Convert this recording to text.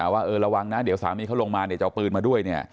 ว่าเออระวังนะเดี๋ยวสามีเขาลงมาจะเอาปืนมาด้วย